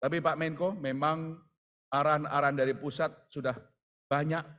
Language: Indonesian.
tapi pak menko memang arahan arahan dari pusat sudah banyak